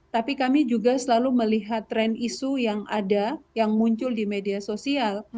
tapi kami juga selalu melihat tren isu yang ada yang muncul di media sosial